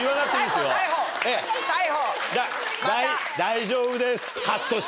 大丈夫です。